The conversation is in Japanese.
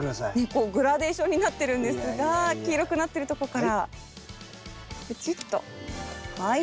こうグラデーションになってるんですが黄色くなってるとこからプチッとはい。